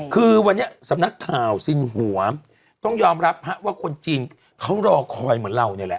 คือวันนี้สำนักข่าวสินหัวต้องยอมรับว่าคนจีนเขารอคอยเหมือนเราเนี่ยแหละ